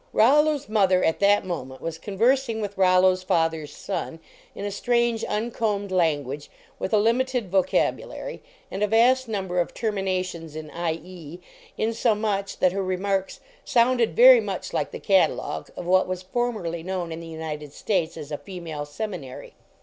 Rollo s mother, at that moment, was con versing with Rollo s father s son in a strange, 8 LEARNING TO BREATHE uncombed language with a limited vocabu lary and a vast number of terminations in " k>," insomuch that her remarks sounded very much like the catalogue of what was formerly known in the United States as a I \ male Seminar) ."